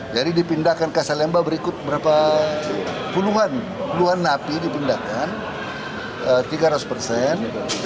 jadi dipindahkan ke lapasalemba berikut berapa puluhan puluhan napi dipindahkan